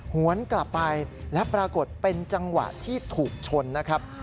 หวนกลับไปและปรากฏเป็นจังหวะที่ถูกชนนะครับ